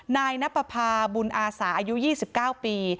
นายณปะภาบุญอาสาอายุ๒๙ปี